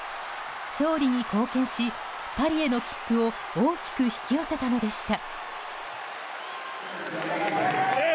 勝利に貢献しパリへの切符を大きく引き寄せたのでした。